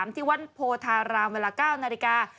ที่วัดโพธารามเวลา๙นาฬิกา